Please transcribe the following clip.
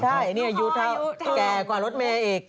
ใช่นี่อายุเท่าอายุแก่กว่ารถมีไอเอก